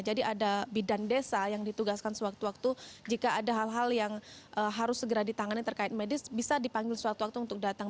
ada bidan desa yang ditugaskan sewaktu waktu jika ada hal hal yang harus segera ditangani terkait medis bisa dipanggil suatu waktu untuk datang